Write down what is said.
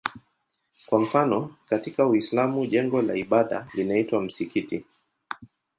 Kwa mfano katika Uislamu jengo la ibada linaitwa msikiti.